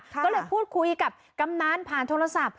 ก็เลยพูดคุยกับกำนันผ่านโทรศัพท์